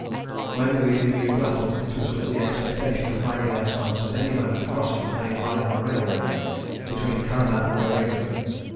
When we renewed the battle, it was with the expectation of finding ourselves at any moment crossing the main line of railway between Karaman and Eregli.